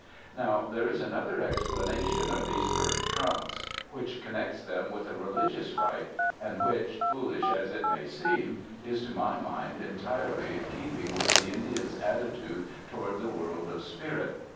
Now there is another explanation of these burnt trunks, which connects them with a religious rite, and which, foolish as it may seem, is to my mind entirely in keeping with the Indian's attitude to ward the world of spirit.